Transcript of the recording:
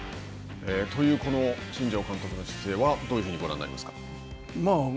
というこの新庄監督の姿勢はどういうふうにご覧になりますか。